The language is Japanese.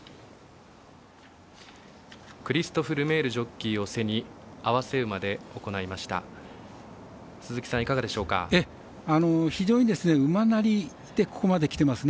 クリストフ・ルメールジョッキーを背に併せ馬で行いました。